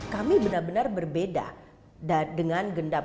kami benar benar berbeda dengan gendam